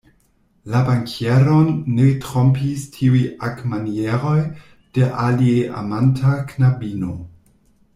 La bankieron ne trompis tiuj agmanieroj de alieamanta knabino.